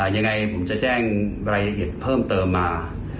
ยังไงผมจะแจ้งรายละเอียดเพิ่มเติมมา